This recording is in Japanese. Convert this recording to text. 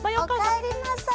おかえりなさい。